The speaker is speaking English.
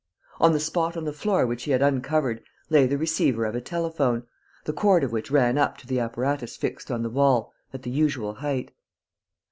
On the spot on the floor which he had uncovered lay the receiver of a telephone, the cord of which ran up to the apparatus fixed on the wall, at the usual height.